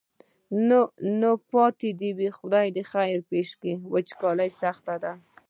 نو پاتې دې خدای خیر پېښ کړي وچکالي سخته ده.